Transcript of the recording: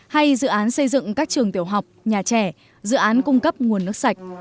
hay dự án xây dựng các trường tiểu học nhà trẻ dự án cung cấp nguồn nước sạch